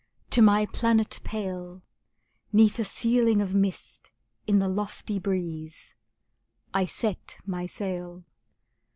To my planet pale, 'Neath a ceiling of mist, in the lofty breeze, I set my sail.